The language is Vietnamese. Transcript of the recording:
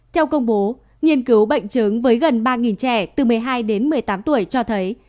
theo công bố nghiên cứu bệnh chứng với gần ba trẻ từ một mươi hai đến một mươi tám tuổi cho thấy